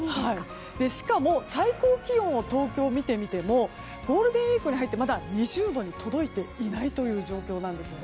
しかも、東京の最高気温を見てみてもゴールデンウィークに入って２０度に届いていない状況なんです。